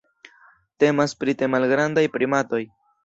Temas pri tre malgrandaj primatoj.